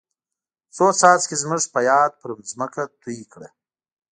څو څاڅکي زموږ په یاد پر ځمکه توی کړه.